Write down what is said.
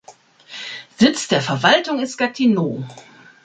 Sitz der Verwaltung ist Gatineau.